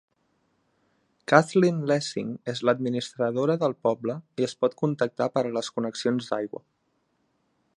Kathleen Lessing és l'administradora del poble i es pot contactar per a les connexions d'aigua.